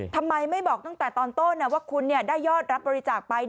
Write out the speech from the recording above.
ทำไมไม่บอกตั้งแต่ตอนต้นว่าคุณได้ยอดรับบริจาคไป